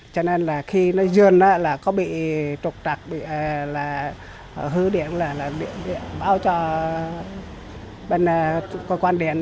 cho nên là khi nó dươn là có bị trục trặc hư điện là báo cho bệnh quan điện